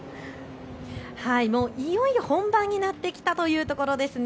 いよいよ本番になってきたというところです。